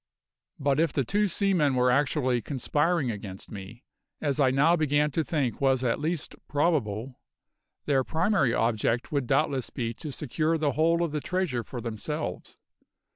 But if the two seamen were actually conspiring against me, as I now began to think was at least probable, their primary object would doubtless be to secure the whole of the treasure for themselves.